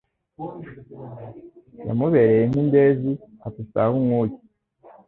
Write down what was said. yamubereye nk'indezi ati si ahao unkuye